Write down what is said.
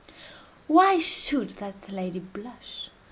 Why should that lady blush!